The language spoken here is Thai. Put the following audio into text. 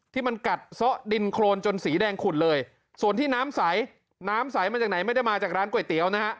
ที่มันกัดซ่อดินโครนจนสีแดงขุดเลยส่วนที่น้ำใสน้ำใสมาจากไหนไม่ได้มาจากร้านก๋วยเตี๋ยวนะฮะ